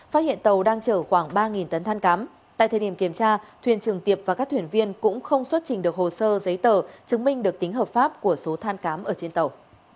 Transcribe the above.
phát hiện tàu đang chở khoảng ba tấn than cám tại thời điểm kiểm tra thuyền trường tiệp và các thuyền viên cũng không xuất trình được hồ sơ giấy tờ chứng minh được tính hợp pháp của số than cám ở trên tàu